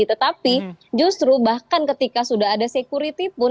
tetapi justru bahkan ketika sudah ada security pun